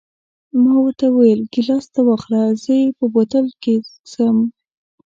ما ورته وویل: ګیلاس ته واخله، زه یې په بوتل کې څښم.